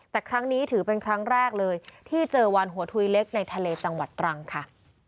แต่ครั้งนี้ถือเป็นครั้งแรกเลยที่เจอวันหัวทุยเล็กในทะเลจังหวัดตรังค่ะ